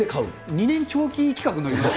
２年長期企画になります